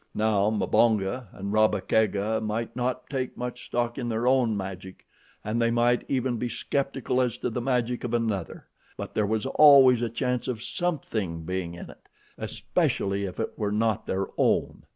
Now Mbonga and Rabba Kega might not take much stock in their own magic, and they might even be skeptical as to the magic of another; but there was always a chance of something being in it, especially if it were not their own.